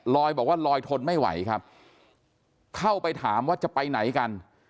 ลอยบอกว่าลอยทนไม่ไหวครับเข้าไปถามว่าจะไปไหนกัน